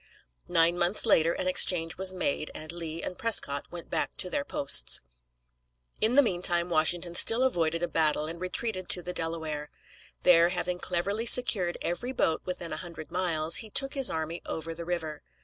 Nine months later an exchange was made, and Lee and Prescott went back to their posts (1778). In the meantime Washington still avoided a battle, and retreated to the Delaware. There, having cleverly secured every boat within a hundred miles, he took his army over the river.